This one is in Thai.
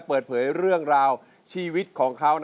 อ่านคำเตือนในฉลากก่อนใช้อย่าง